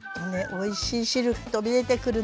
おいしい汁飛び出てくるの。